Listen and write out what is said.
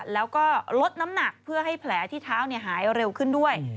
แล้วก็ลดน้ำหนักเพื่อให้แผลที่เท้าหายเร็วขึ้นด้วย